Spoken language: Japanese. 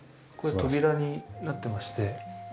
これ扉になってまして。